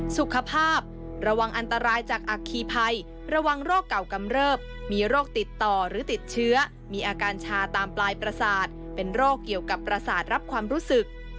สุขภาพระวังอันตรายจากอัคคีภัยระวังโรคเก่ากำเริบมีโรคติดต่อหรือติดเชื้อมีอาการชาตามปลายประสาทเป็นโรคเกี่ยวกับประสาทรับความรู้สึก